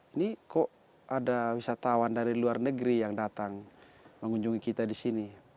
ini kok ada wisatawan dari luar negeri yang datang mengunjungi kita di sini